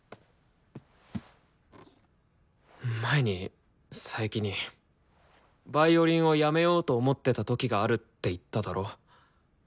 前に佐伯に「ヴァイオリンを辞めようと思ってた時がある」って言っただろ？